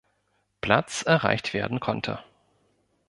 Platz erreicht werden konnte.